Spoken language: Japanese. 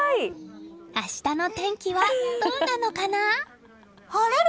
明日の天気はどうなのかな？